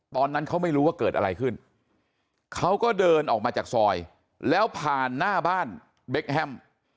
ตอนนั้นเขาไม่รู้ว่าเกิดอะไรขึ้นเขาก็เดินออกมาจากซอยแล้วผ่านหน้าบ้านเบคแฮม